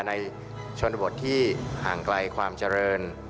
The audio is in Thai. ในชนบทที่ห่างไกลความเจริญ